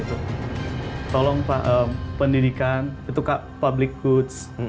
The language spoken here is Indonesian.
tolong pak pendidikan itu public goods